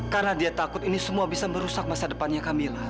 karena dia takut ini semua bisa merusak masa depannya kamila